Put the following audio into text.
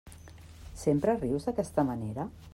Sempre rius d'aquesta manera?